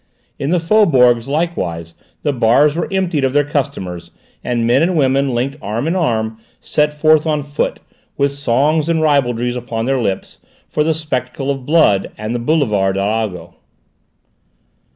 In the faubourgs likewise, the bars were emptied of their customers, and men and women, linked arm in arm, set forth on foot, with songs and ribaldries upon their lips, for the spectacle of blood and the boulevard Arago.